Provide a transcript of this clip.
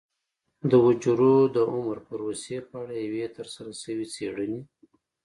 د حجرو د عمر پروسې په اړه یوې ترسره شوې څېړنې